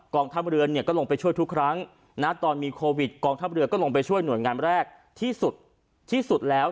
ทัพเรือเนี่ยก็ลงไปช่วยทุกครั้งนะตอนมีโควิดกองทัพเรือก็ลงไปช่วยหน่วยงานแรกที่สุดที่สุดแล้ว